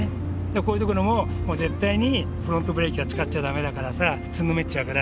こういうところも絶対にフロントブレーキは使っちゃ駄目だからさつんのめっちゃうから。